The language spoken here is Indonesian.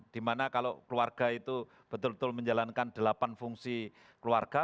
dimana kalau keluarga itu betul betul menjalankan delapan fungsi keluarga